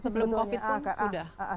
sebelum covid sembilan belas sudah